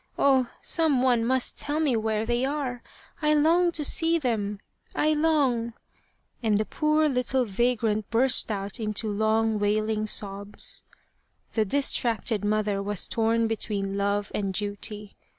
Oh ! some one must tell me where they are ! I long to see them ... I long ..." and the poor little vagrant burst out into long wailing sobs. The distracted mother was torn between love and duty.